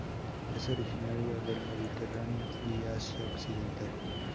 Es originario del Mediterráneo y Asia occidental.